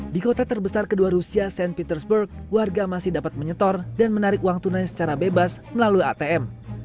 di kota terbesar kedua rusia st petersburg warga masih dapat menyetor dan menarik uang tunai secara bebas melalui atm